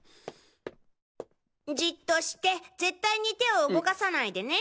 じっとして絶対に手を動かさないでね。